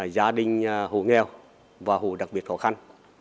gia đình hồ nghèo và hộ đặc biệt khó khăn